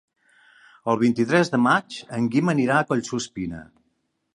El vint-i-tres de maig en Guim anirà a Collsuspina.